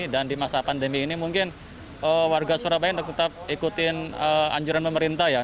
dan di masa pandemi ini mungkin warga surabaya tetap ikutin anjuran pemerintah ya